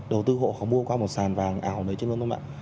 đầu tư hộ có mua qua một sàn vàng ảo đấy chứ không ạ